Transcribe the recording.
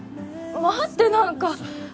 待ってなんか